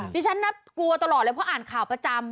ดิฉันน่ากลัวตลอดเลยเพราะอ่านข่าวประจำ